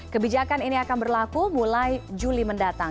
kebijakan ini akan berlaku mulai juli mendatang